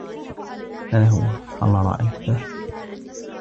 ها هو. هل رأيته؟